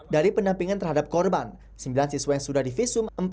dari pendampingan terhadap korban sembilan siswa yang sudah divisum